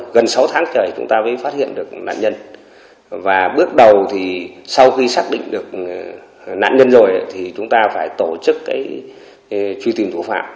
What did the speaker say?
gần sáu tháng trời chúng ta mới phát hiện được nạn nhân và bước đầu thì sau khi xác định được nạn nhân rồi thì chúng ta phải tổ chức cái truy tìm thủ phạm